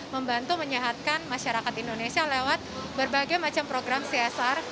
membantu menyehatkan masyarakat indonesia lewat berbagai macam program csr